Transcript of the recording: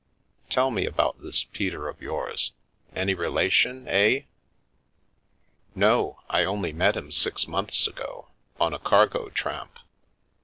" Tell me about this Peter of yours. Any relation, eh?" " No ; I only met him six months ago, on a cargo tramp.